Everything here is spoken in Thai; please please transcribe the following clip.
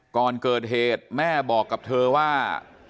ก่อนเกิดเหตุแม่บอกกับเธอว่า